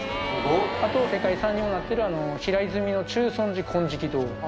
あと世界遺産にもなってる平泉の中尊寺金色堂。